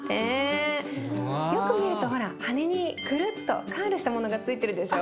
よく見るとほら羽にクルッとカールしたものがついてるでしょ？